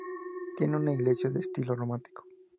Tiene una iglesia de estilo románico.